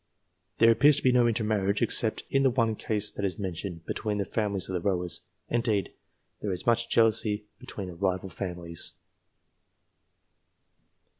There appears to be no intermarriage, except in the one case that is mentioned, between the families of the rowers ; indeed there is much jealousy between the rival families.